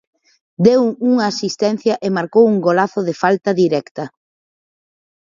Deu unha asistencia e marcou un golazo de falta directa.